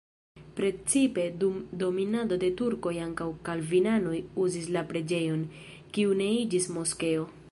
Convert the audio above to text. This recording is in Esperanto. Precipe dum dominado de turkoj ankaŭ kalvinanoj uzis la preĝejon, kiu ne iĝis moskeo.